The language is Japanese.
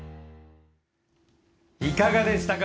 いかがでしたか。